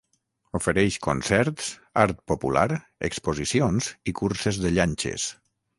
Ofereix concerts, art popular, exposicions i curses de llanxes.